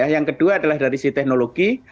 yang kedua adalah dari sisi teknologi